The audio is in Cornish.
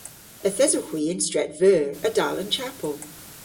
Yth esowgh hwi yn Stret Veur a-dal an chapel.